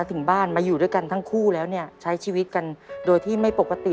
พูดแล้วเนี่ยใช้ชีวิตกันโดยที่ไม่ปกติ